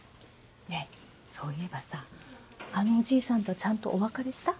ねぇそういえばさあのおじいさんとちゃんとお別れした？